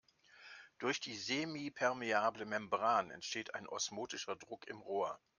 Durch die semipermeable Membran entsteht ein osmotischer Druck im Rohr.